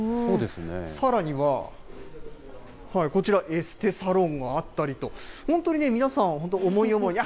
さらには、こちら、エステサロンがあったりと、本当にね、皆さん、本当、思い思いに。